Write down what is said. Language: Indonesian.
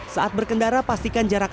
saat berkendara pastikan jarak